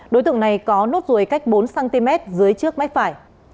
đối tượng này có nốt ruồi cách bốn cm dưới trước mép phải